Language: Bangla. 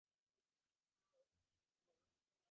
যথাসময়ে তাকে সজাগ করে দেয়।